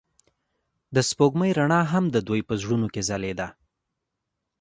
د سپوږمۍ رڼا هم د دوی په زړونو کې ځلېده.